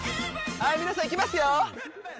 はい皆さんいきますよ